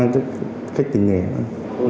mang cho khách tỉnh nghề